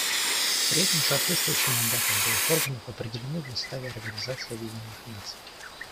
При этом соответствующие мандаты обоих органов определены в Уставе Организации Объединенных Наций.